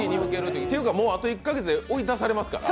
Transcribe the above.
ていうか、あと１カ月で追い出されますから。